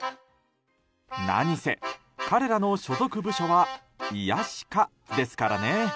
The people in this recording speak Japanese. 何せ、彼らの所属部署は癒し課ですからね。